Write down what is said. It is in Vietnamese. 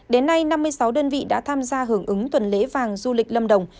đến nay năm mươi sáu đơn vị đã tham gia hưởng ứng tuần lễ vàng du lịch lâm đồng